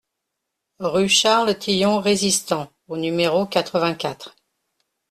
Rue Charles Tillon Résistant au numéro quatre-vingt-quatre